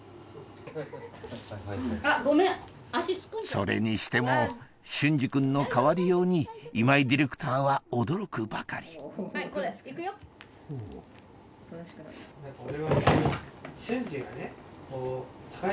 それにしても隼司君の変わりように今井ディレクターは驚くばかりフフフ。